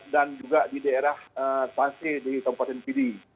dan juga di daerah tansi di kabupaten pilih